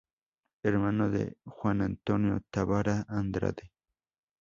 Hermano de Juan Antonio Távara Andrade.